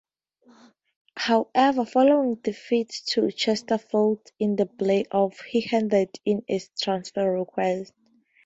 However following defeat to Chesterfield in the play-offs he handed in a transfer request.